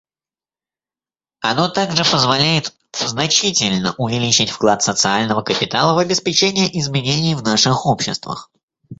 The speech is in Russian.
Оно также позволяет значительно увеличить вклад социального капитала в обеспечение изменений в наших обществах.